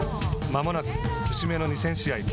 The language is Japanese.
まもなく節目の２０００試合。